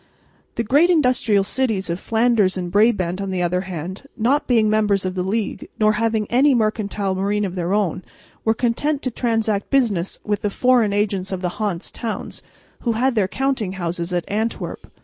The great industrial cities of Flanders and Brabant, on the other hand, not being members of the League nor having any mercantile marine of their own, were content to transact business with the foreign agents of the Hanse towns, who had their counting houses at Antwerp.